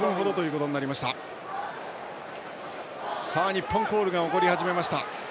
日本コールが起こり始めました。